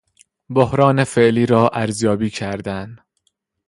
بحران فعلی را ارزیابی کردن